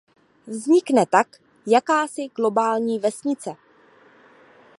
Vznikne tak jakási „globální vesnice“.